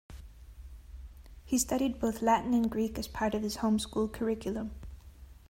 He studied both Latin and Greek as part of his home school curriculum.